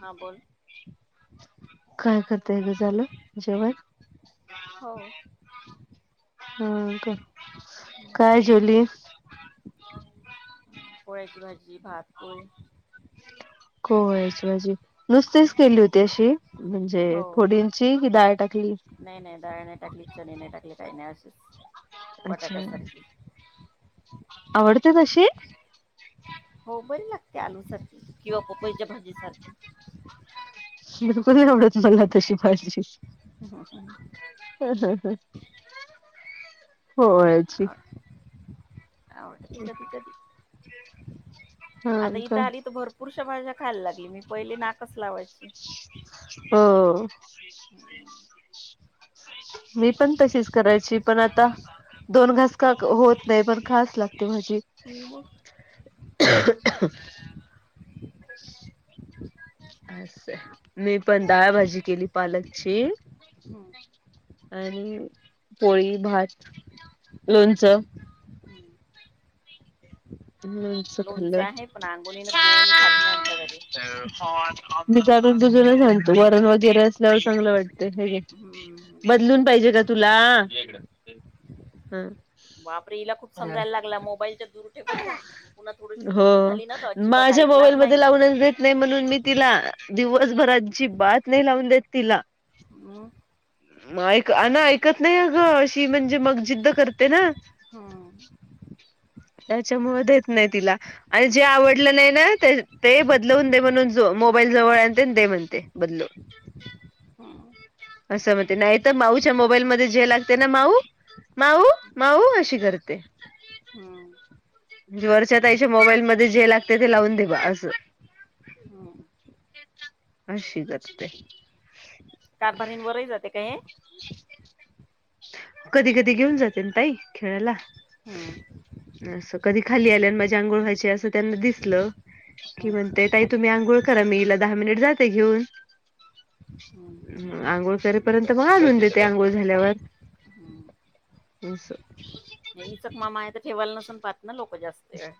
हा बोल. काय करताय ग झालं जेवण? हो हो का काय जेवली? कोहळ्याची भाजी, भात, पोहे, कोहळ्याची भाजी नुसतीच केली होती अशी. हो. म्हणजे फोडींची कि डाळ टाकलीत. नाही नाही दाळ नाही टाकली चणे नाही नाही टाकली काही नाही आशीस अच्छा बटाट्या सारखी. आवडते तशी? हो बरी लागते आलूसारखी किंवा पपईच्या भाजी बिलकुल नाही आवडत मला तशी भाजी. हम्म हम्म होयच. आवड आवडते कधी कधी, हा आता का इथं आली तर भरपूर पुरुषाभाज्या खायला लागली मी पहिले नाकच लावायची. हो मी पण तशीच करायची पण आता. दोन घासका होत नाही पण खायाच लागते भाजी. होन मग. [inaudible] असं मी पण डाळ भाजी किली पालकची. हम्म. आणि पोळी भात लोणचं. लोणचं खाल्लं आहे पण अंगोणीन [inaudible] कोणी खात नाही आमच्या घरी. मी त्यागून दुजूला सांगतो वरण वगैरे असल्यावर चांगलं वाटत हेेघे. हम्म बदलून पाहिजे का तुला ह, [inaudible] बापरे हिला खूप समजायला लागला. मोबाईलचा, [unintelligible] जा पुन्हा थोडीशी हो मोठी झाली ना तर अजिबात ऐकणार नाही नाय म्हणून मी तिला दिवसभर अजिबात नाय लावून देत तिला. हम्म मग ऐक अ ना ऐकत नाही अ ग अशी म्हणजे मग जिद्द करते ना. हम्म त्याच्यामुळे देत नाही तिला आणि जे आवडलं नाही ना ते बदलवून दे म्हणून मोबाईल जवळ आणते अन दे म्हणते बदलून. हं. असं म्हणते. नाही तर माऊच्या मोबाईल मध्ये जे लागतय ना माऊ माऊ- माऊ अशी करते. हम्म. म्हणजे वरच्या ताईच्या मोबाईल मध्ये जे लागतंय, ते लावून दे बा असं. हम्म अशी गोष्ट हे. [unintelligible] [inaudible] कधी-कधी घेऊन जाते ना ताई खेळायला. ह्म. असं कधी खाली आल्या अन् माझी अंघोळ व्हायची असं त्यांना दिसलं की हम्म म्हणते ताई तुम्ही आंघोळ करा मी हिला दहा मिनिट जाते घेऊन. हम्. आंघोळ करेपर्यंत मग आणून देते आंघोळ झाल्यावर. ह्म. [inaudible] इचक मामा आहे तर ठेवल नसन पाहत ना लोक जास्त. वेळ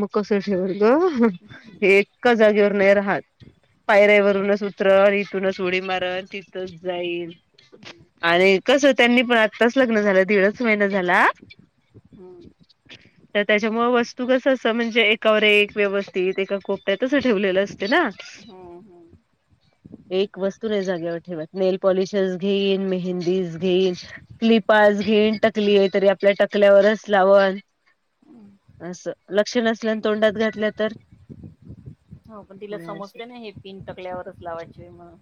म कसं ठेवलं ग. हम्म हे एका जागेवर नाय राहत. पायऱ्या वरूनच उतरल, इथूनच उडी मारल, तिथूनच जाईल. हम्म आणि कसं त्यांनी पण आत्ताच लग्न झालं, दीडच महिना झाला. हम्म. त्याच्या मुळे वस्तू कसं असं म्हणजे एकावर एक व्यवस्थित एका कोपऱ्यात असं ठेवलेलं असतं ना. हं हं. [inaudible] एक वस्तू नाय जागेवर ठेवत. नेलपॉलिशच घेईल, मेहंदीच घेईल. क्लिपाच घेईल टकली हे तरी आपल्या टकल्यावरच लावल. हम्म. असं लक्ष नसलं, अन तोंडात घातलं तर? हो पण तिला समजतय ना ही पिन टकल्यावरच लावायची म्हणून.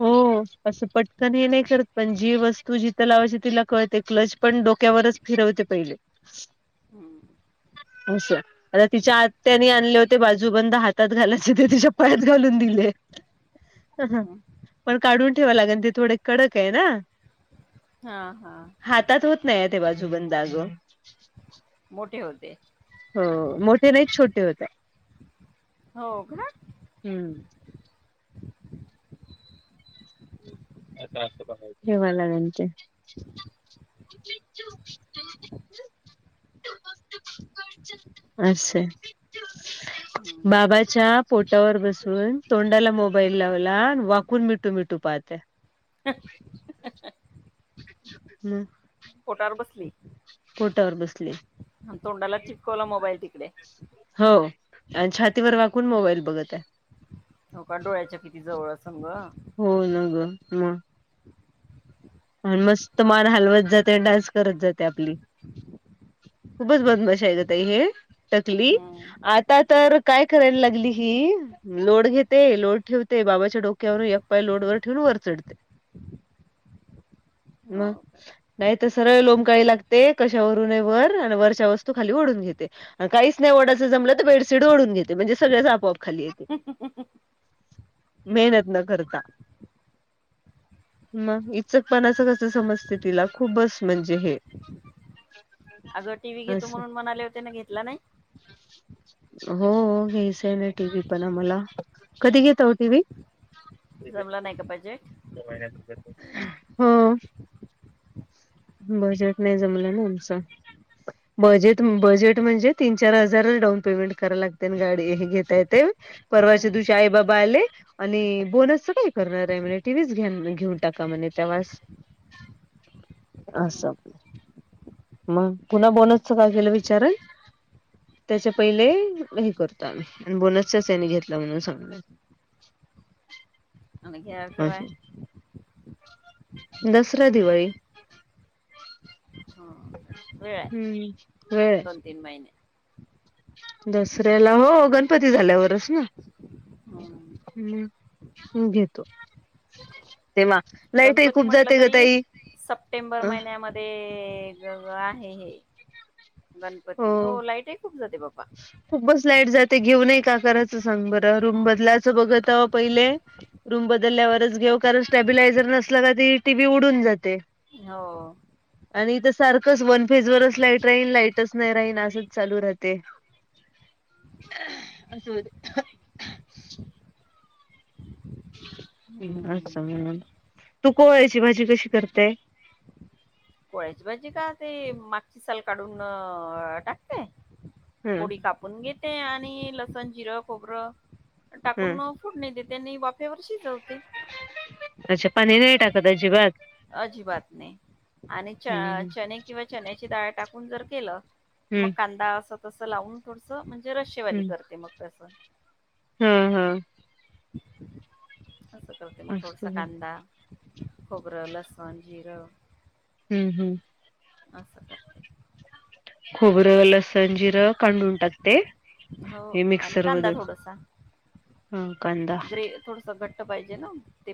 हो असं पटकनी नाही करत पण जी वस्तू जिथं लावायची तिला कळते. क्लच पण डोक्यावरच फिरवते पहिले हम्म [inaudible] असं. आता तिच्या आत्यानी आणले होते बाजूबंद हातात घालायचे, ते तिच्या पायात घालून दिले. हं हं. हम्म पण काढून ठेवा लागेल ते थोडे कडक हे ना. हा-हा. हातात होत नाय ते बाजूबंद अजून. मोठे होते. हो, मोठे नाय छोटे होते. हो का? हम्म. ठेवायला म्हते. [inaudible] असं. हम्म. बाबाच्या पोटावर बसून तोंडाला मोबाईल लावला, वाकून मिटू-मिटू पाहते. [unintelligible] हम. पोटावर बसले. पोटावर बसलीये. तोंडाला चिपकवला मोबाईल तिकडे. हो आणि छातीवर वाकून मोबाईल बघत हाय. हो का डोळ्याच्या किती जवळ असन गं. हो ना, गं मग. आणि मस्त मान हलवत जाते, डान्स करत जाते आपली. खूपच बदमाश हाय गं ताई हे. ही टकली हम्म आत त्यात तर काय करायला लागली ही. लोड घेते. लोड ठेवते बाबाच्या डोक्यावरून, एक पाय लोड वर ठेवून वर चडते. हो म. का नाय तर सरळ लोमकाळी लागते, कशावरूनही वर आणि वरच्या वस्तू खाली वडून घेते. आणि काहीच नाही ओढायचं जमलं तर बेडशीट ओढून घेते, म्हणजे सगळच आपोआप खाली येतं. हहहहहह. मेहनत न करता म. चकपणा अस कस समजते, तिला खूपच म्हणजे हे. आगं टीव्ही घेतो असं म्हणून म्हणाले होते ना, घेतला नाही. हो घ्यायचा हाय ना टीव्ही पण आम्हाला, कधी घेता ओ टीव्ही. जमलं नाही का बजेट हो. बजेट नाय जमलं ना आमचं. बजेट बजेट म्हणजे, तीन चार हजार डाऊन. पेमेंट करा लागते गाडी हे घेता येते, परवाच्या हम्म दिवशी आई बाबा आले. आणि बोनसच काय करणार आहे म्हणे, टीव्हीच घ घेऊन टाका म्हणे तवाच. आसं हम्म आपलं. मग पुन्हा बोनस काय केलं विचारलं. त्यांच्या पहिले हे करतो आम्ही, आणि बोनसच्याच याने घेतल म्हणून सांगणार. आगं ह्यांत. पाहिजे दसरा दिवाळी. हो वेळाय, हम्म वेळ आहे दोन-तीन महिने. दसऱ्याला हो गणपती झाल्यावरच ना. हम्म हम् घेतो. तेव्हा लाईटही गणपती खूप म्हटलं जाते ग तरी, ताई सप्टेंबर अ महिन्याम ते गं आहे हे गणपती हो, लाईटही खूप जाते बाबा. खूप बस लाईट जाते घेऊनही का करायचं सांग बरं, रूम बदलायचं बघताव पहिले. रूम बदलल्यावरच घेऊ कारण, स्टॅबिलायझर नसला का ती टी. व्ही उडून जाते. हो. आणि तर सारखंच वन फीज वरच लाईट राहील लाईट. तेच नाही राही ना असच चालू राहते, असं होत. हम्म अच्छा म्हणून तू कोहळ्याची भाजी कशी करते. कोहळ्याची भाजी का ते, मागची साल काढून टाकते. ह फोडी कापून घेते आणि, लसण जिरं खोबरं टाकून ह मग. फोडनी देते आणि वाफेवर शिजवते. अच्छा पानी नाही टाकत अजिबात. अजिबात नाही आणि च हम्म चणे किंवा चण्याची डाळ टाकून जर केलं मग हम्म कांदा असं तसं लावून थोडस म्हणजे रशेवाली करते मग तसं. हंम हंम असं करते मग असत थोडस हम्म कांदा, खोबरं, लसूण जिरं हम्म हम्म. अस काय. खोबरं लसण, जिरं काडून टाकते. हो हे आणि मिक्सर कांदा मधून थोडसा ह कांदा ग्रे थोडस घट पाहिजे ना ते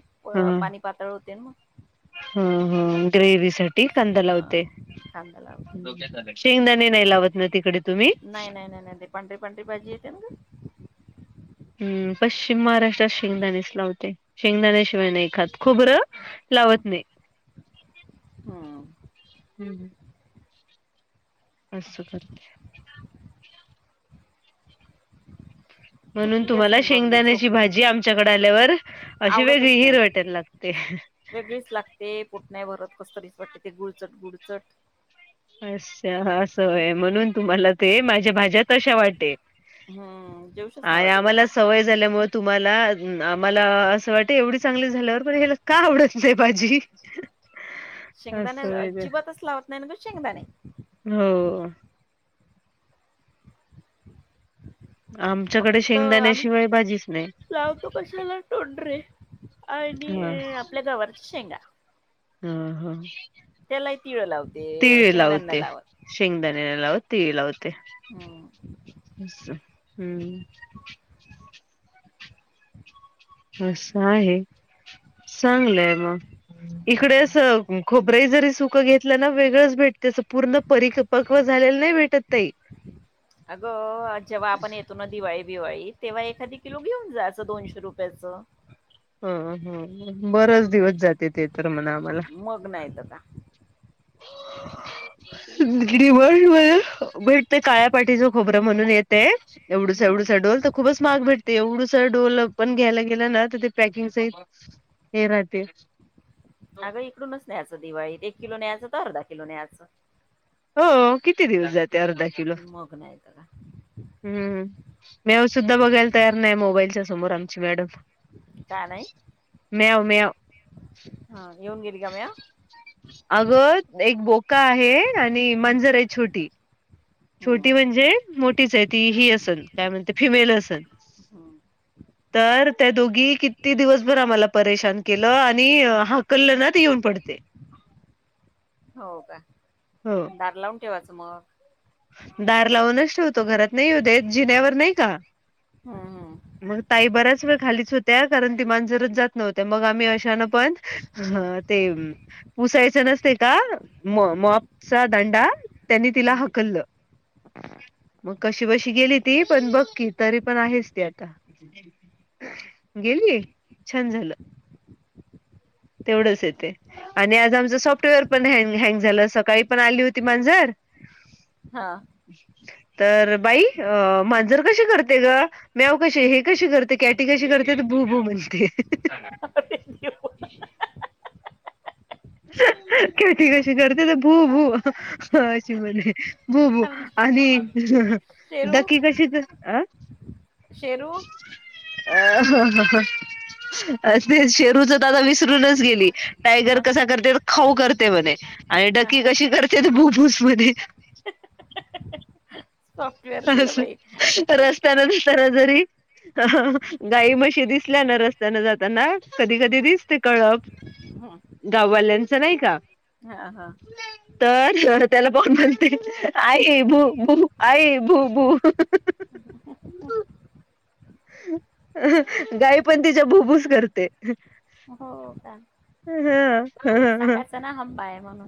पाणी पातळ होते ना मग. हम्म हम्म ग्रेव्हीसाठी तसं कांदा हा लावते. कांदा लावते. शेंगदाणे नाही लावत ना तिकडे तुम्ही? नाय नाय नाय. पांढरे पांढरे भाजी येते ना ग. हम्म पश्चिम महाराष्ट्र शेंगदाणेस लावते शेंगदाण्याशिवाय नाही खात खोबरं लावत नाही. [inaudible] हा. असं करतेय [inaudible] म्हणून थकली तुम्हाला असन बबली शेंगदाण्याची झोपली भाजी काय आमच्याकडे आल्यावर अशी वेगळी आवडतच नाही. हिरवट लागते. वेगळीच लागते पोट नाही भरत कसतरीच वाटते गुडचट गुडचट असं असं होय म्हणून तुम्हाला ते माझ्या भाज्या तशा वाटेल. हम्म जेवूशच नाही आणि वाटे आम्हाला बाबा सवय झाल्यामुळे तुम्हाला आम्हाला असं वाट एवढी चांगली झाल्यावर पण हेला का आवडत नाही. भाजी शेंगदाणे असं अजिबातच लावत नाही ग शेंगदाणे हो. [inaudible] आमच्याकडे शेंगदाणेशिवाय भाजीच नाही. जाव तो कशाला तोंडरे आणि हा आपल्या गवराच्या शेंगा हम्म हम्म. त्याला तिळ लावते शेंगदाणे नाही लावत. शेंगदाणे नाही लावत तीळ लावते. हो. हम्म असं आहे चांगलंय मग. इकडेच अस खोबरंही जरी सुकं घेतलं ना तरी वेगळंच भेट त्याच पूर्ण परीपक्व झालेला नाही भेटत तई. अगं जेव्हा आपण येत दिवाळी बिवाळी तेव्हा एखादी किलो घेऊन जायचं दोनशे रुपयाचं. हो हो बरच दिवस जाते ते तर म्हणा आम्हाला मग नाही तर का दिवाळी मध्ये भेट ते काळ्या पाठीचं खोबरं म्हणून येते एवढुसा हम्म एवढुसा डोल. खूपच महाग भेटते एवढंस डोल पण घ्यायला गेलं ना तर ते पॅकिंग सहित हे राहते अगं इकडूनच न्यायचं दिवाळीत, एक किलो न्यायचं तर अर्धा किलो न्यायचं. हो किती दिवस जाते अर्धा किलो मग न्यायचं का? हम्म म्याऊ सुद्धा बघायला तयार नाही मोबाईलच्या समोर आमची मॅडम. का नाही? म्याव म्याव. हा येऊन गेली का म्याव? अगं एक बोका आहे आणि एक मांजर हाय छोटी. छोटी म्हणजे मोठीच आहे ती ही असन काय म्हणते फिमेल असन. हं. हम तर त्या दोघी किती दिवसभर आम्हाला परेशान केलं आणि हाकललं ना तर येऊन पडते. हो का. हो. दार लावून ठेवायचं मग. दार लावूनच ठेवतो, घरात नाही येऊ देत. जिण्यावर नाही का हं. मग ताई बऱ्याच वेळ खालीच होत्या, कारण ती मांजरच जात नव्हते, मग आम्ही अशान पण ह ह ते पुसायचं नस ते का हम्म म मॉपचा दांडा त्यांनी तिला हम्म हकललं. मग कशी बशी गेली ती, पण बघकी तरी पण आहेच ते आता. गेली छान झालं. तेवढंच येते. आणि आज आमचं सॉफ्टवेअर पण हँ हँग झालं, सकाळी पण आली होती मांजर. हां. तर बाई अ मांजर कशी करते गं? म्याव कसे हे कशी कर ते कॅटी कशी करते? तर भू भू म्हणते. [unintelligible] कॅटी कशी करते? तर भू भू अशी म्हणे. भू भू आणि [unintelligible] शेरू डकी कशी कर आं. शेरू. [unintelligible] शेरूच तर आता विसरूनच गेली. टायगर हा कसा करते? तर खाऊ करते म्हणे. आणि हा डकी कशी करते? तर भूबूस म्हणे. सॉफ्टवेअर गेलं बाई तर रस्त्यानं नाही जरा जरी गाई म्हशी दिसल्या ना रस्त्यानं जाताना कधी कधी दिसते कळप. गाववाल्यांचा नाही का हां हां. तर त्याला पाहून म्हणते, आई भू भू आई भू भू. [unintelligible] गाई पण तिच्या भुभुच करते. हो का, हं, हं. सांगायचं ना हंबा हाय म्हणून.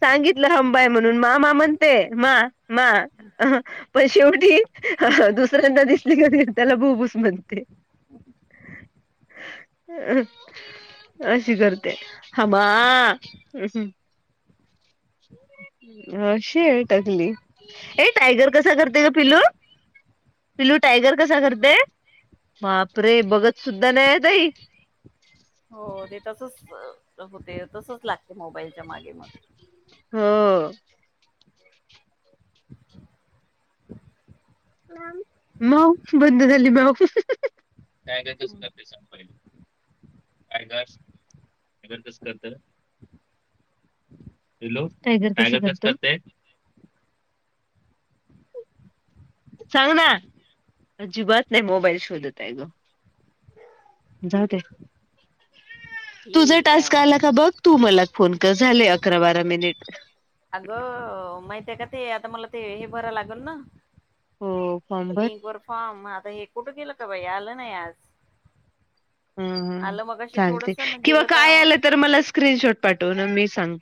सांगितलं हंबाय म्हणून. मामा म्हणते, मा मा. अ पण शेवटी दुसऱ्यांना दिसले की त्याला बुबू च म्हणते [inaudible] अशी कर हमा हम् शेर टकली हे टायगर कसा करते ग पिलू पिलू टायगर कस करतय बाप रे बघत सुद्धा नाही आता ही हो हो ते तसच होते तसच लागते मोबाईलच्या मागे मागे हो हो माव बंद झाली माव टायगर कस करतय सग पहिलंयग टयगर कस करत [unintelligible] हॅलो टायगर कस करतय सांग ना अजिबात नाही मोबाईल शोधत आहे ग जाऊ दे तुझ ठीक आहे टास्क मग आला का बघ तू मला फोन कर झाले अकरा बारा मिनिट अगं माहितय का ते आता मला ते हे भराव लागेल ना हो फॉर्म भर. लिंक वर फॉर्म आता हे कुठे केलं का बाई आलं नाही आज हम्म हम्म आलं मगाशी चालते थोडस ना किंवा गेलं काय आलं तर मला स्क्रीनशॉट पाठव ना मी सांग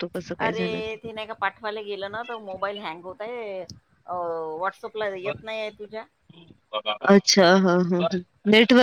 अरे ते नाही का पाठवायला गेलं ना तर मोबाईल हँग होतय व्हॉट्सअप ला येत नाहीय तुझ्या अच्छा हा हा नेटवर्क